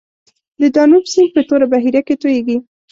د دانوب سیند په توره بحیره کې تویږي.